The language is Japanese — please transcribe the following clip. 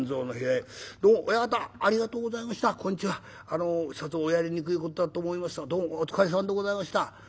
あのさぞおやりにくい事だと思いましたがどうもお疲れさまでございました」。